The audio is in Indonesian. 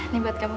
nih buat kamu